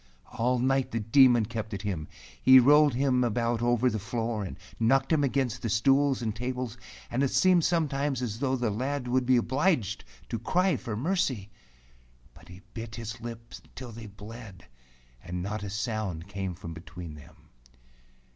All night the Demon kept at him. He rolled him about over the floor, and knocked him against the stools and tables, and it seemed sometimes as though the lad would be obliged to cry for mercy. But he bit his lips till they bled, and not a sound came from between them.